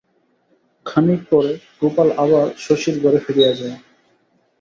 খানিক পরে গোপাল আবার শশীর ঘরে ফিরিয়া যায়।